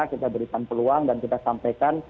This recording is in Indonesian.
kita berikan peluang dan kita sampaikan